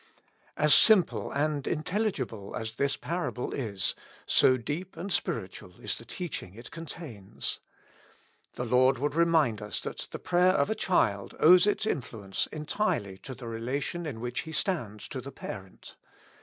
As simple and intelligible as this parable is, so deep and spiritual is the teaching it contains. The Lord would remind us that the prayer of a child owes its influence entirely to the relation in which he stands to the parent.